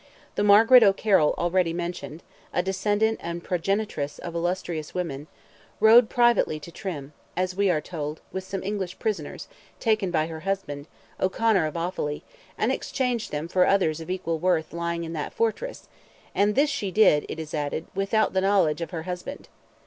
The Margaret O'Carroll already mentioned, a descendant and progenitress of illustrious women, rode privately to Trim, as we are told, with some English prisoners, taken by her husband, O'Conor of Offally, and exchanged them for others of equal worth lying in that fortress; and "this she did," it is added, "without the knowledge of" her husband.